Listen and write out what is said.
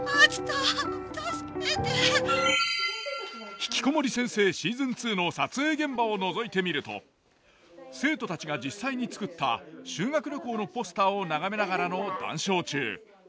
「ひきこもり先生」シーズン２の撮影現場をのぞいてみると生徒たちが実際に作った修学旅行のポスターを眺めながらの談笑中。